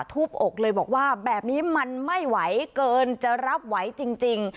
บอกเลยบอกว่าแบบนี้มันไม่ไหวเกินจะรับไหวจริง